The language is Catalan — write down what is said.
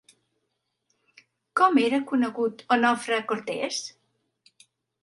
Com era conegut Onofre Cortés?